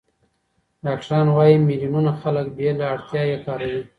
ډاکټران وايي، میلیونونه خلک بې له اړتیا یې کاروي.